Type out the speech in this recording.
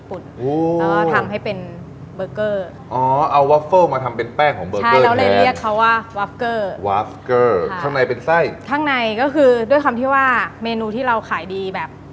โปรดติดตามต่อไป